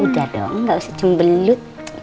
udah dong nggak usah jembellut